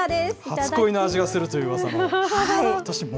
初恋の味がするといううわさの。